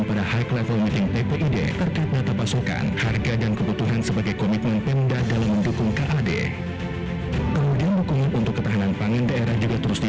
pemilihan inflasi tahun dua ribu dua puluh dua tidak akan berpotensi mengganggu produksi dan distribusi